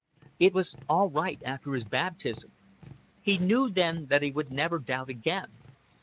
It was all right after his baptism. He knew then that he would never doubt again.